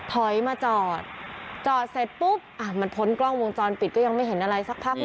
ถอยมาจอดจอดเสร็จปุ๊บอ่ะมันพ้นกล้องวงจรปิดก็ยังไม่เห็นอะไรสักพักหนึ่ง